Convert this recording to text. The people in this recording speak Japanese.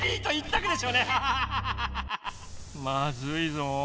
まずいぞ。